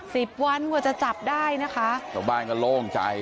สิบวันกว่าจะจับได้นะคะชาวบ้านก็โล่งใจ